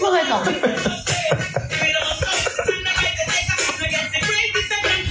รักรักมาก